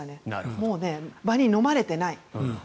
もう場にのまれてない。